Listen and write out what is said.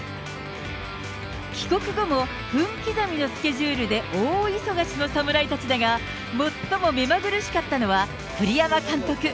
帰国後も分刻みのスケジュールで大忙しの侍たちだが、もっとも目まぐるしかったのは、栗山監督。